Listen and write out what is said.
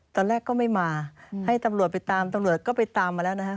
ตอนแรกก็ไม่มาให้ตำรวจไปตามตำรวจก็ไปตามมาแล้วนะฮะ